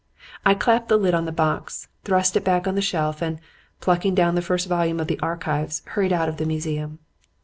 I clapped the lid on the box, thrust it back on the shelf, and, plucking down the first volume of the "Archives," hurried out of the museum.